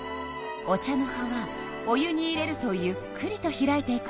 お茶の葉はお湯に入れるとゆっくりと開いていくわ。